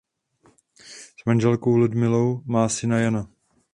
S manželkou Ludmilou má syna Jana.